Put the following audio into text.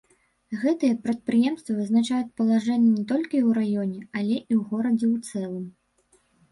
Гэтыя прадпрыемствы вызначаюць палажэнне не толькі ў раёне, але і ў горадзе ў цэлым.